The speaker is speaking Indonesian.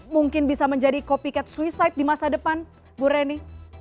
mungkin bisa menjadi copycat suicide di masa depan bu reni